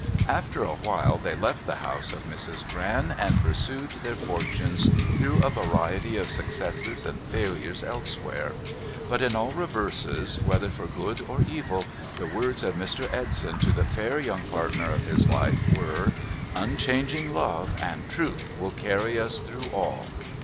' After a while, they left the house of Mrs, Gran, and pursued their fortunes through a variety of successes and failures elsewhere. But in all reverses, whether for good or evil, the words of Mr. Edson to the fair young partner of his life were, " Unchanging Love and Truth will carry us through all